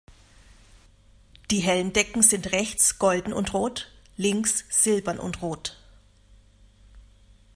Die Helmdecken sind rechts golden und rot, links silbern und rot.